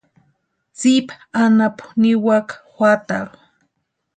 Tsipa anapu niwaka juatarhu.